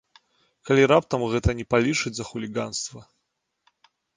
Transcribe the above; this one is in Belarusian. Калі раптам гэта не палічаць за хуліганства.